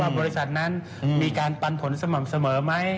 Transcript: บริษัทนั้นมีการปันผลสม่ำเสมอไหม